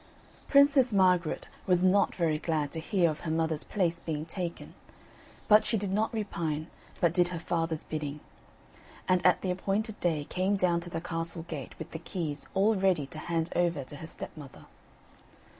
Princess Margaret was not very glad to hear of her mother's place being taken, but she did not repine but did her father's bidding. And at the appointed day came down to the castle gate with the keys all ready to hand over to her stepmother.